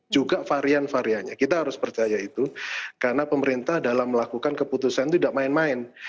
juga varian variannya kita harus percaya itu karena pemerintah dalam melakukan keputusan itu tidak main main